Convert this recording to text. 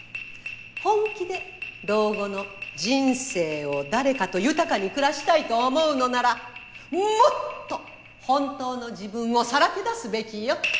本気で老後の人生を誰かと豊かに暮らしたいと思うのならもっと本当の自分をさらけ出すべきよ。